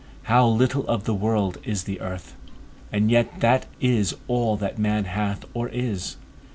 How little of the world is the earth! And yet that is all that man hath or is.